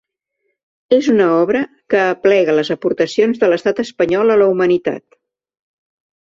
És una obra que aplega les aportacions de l’estat espanyol a la humanitat.